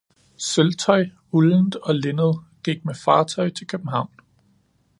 Sølvtøj, uldent og linned gik med fartøj til københavn